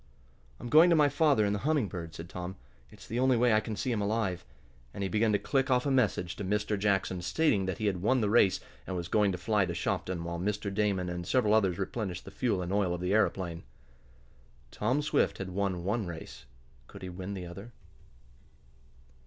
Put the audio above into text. "I'm going to my father in the Humming Bird," said Tom. "It's the only way I can see him alive," and he began to click off a message to Mr. Jackson, stating that he had won the race and was going to fly to Shopton, while Mr. Damon and several others replenished the fuel and oil of the aeroplane. Tom Swift had won one race. Could he win the other?